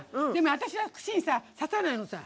私は串に刺さないのさ。